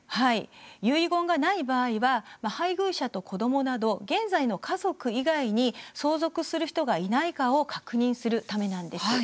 遺言がない場合は配偶者と子どもなど現在の家族以外に相続する人がいないかを確認するためなんです。